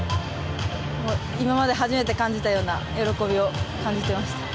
今まで初めて感じたような喜びを感じていました。